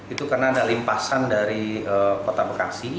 itu karena ada limpasan dari kota bekasi